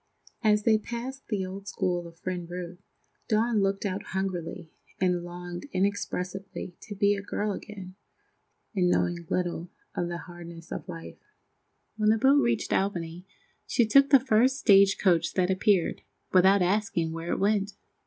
As they passed the old school of Friend Ruth, Dawn looked out hungrily and longed inexpressibly to be a girl again, studying her lessons and knowing little of the hardness of life. When the boat reached Albany she took the first stagecoach that appeared, without asking where it went.